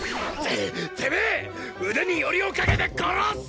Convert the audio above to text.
ててめえ腕によりをかけて殺す！